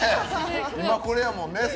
今、これやもんね。